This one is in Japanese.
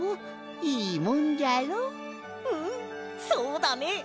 うんそうだね！